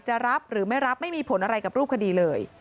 รับหรือไม่รับไม่มีผลอะไรกับรูปคดีเลย